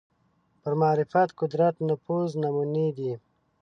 پر معرفت قدرت نفوذ نمونې دي